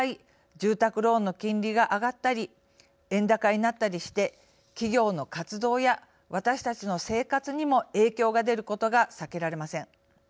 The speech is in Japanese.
住宅ローンの金利が上がったり円高になったりして企業の活動や私たちの生活にも影響が出ることが避けられません。